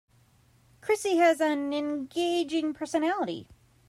Christy has an engaging personality.